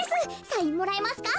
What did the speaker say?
サインもらえますか？